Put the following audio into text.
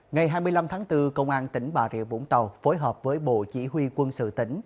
ngày hai mươi năm tháng bốn công an tỉnh bà rịa vũng tàu phối hợp với bộ chỉ huy quân sự tỉnh